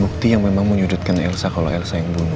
bukti yang memang menyudutkan elsa kalau elsa yang bunuh